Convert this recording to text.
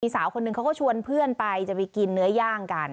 สาวคนหนึ่งเขาก็ชวนเพื่อนไปจะไปกินเนื้อย่างกัน